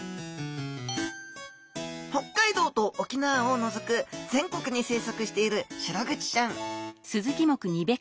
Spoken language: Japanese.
北海道と沖縄をのぞく全国に生息しているシログチちゃん